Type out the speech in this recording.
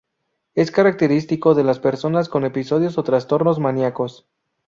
Es característico de las personas con episodios o trastornos maníacos.